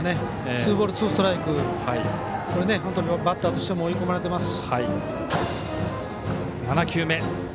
ツーボールツーストライクバッターとしても追い込まれています。